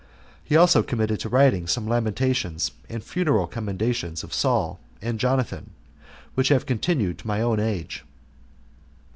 He also committed to writing some lamentations and funeral commendations of Saul and Jonathan, which have continued to my own age.